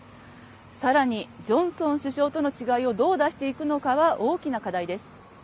さらに、ジョンソン首相との違いをどう出していくのかは大きな課題です。